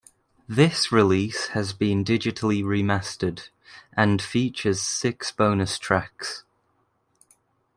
This release has been digitally remastered, and features six bonus tracks.